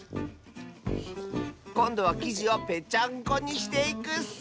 こんどはきじをぺちゃんこにしていくッス！